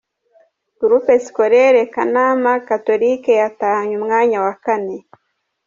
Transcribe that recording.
Groupe Scolaire Kanama Catholique yatahanye umwanya wa kane.